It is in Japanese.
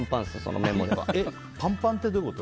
パンパンってどういうこと？